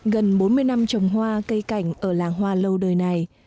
gần bốn mươi năm trồng hoa cây cảnh ở làng hoa lâu đời này